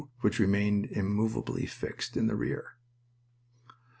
which remained immovably fixed in the rear.